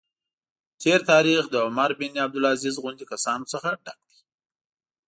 تېر تاریخ له عمر بن عبدالعزیز غوندې کسانو څخه ډک دی.